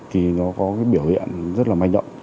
thì nó có biểu hiện rất là manh động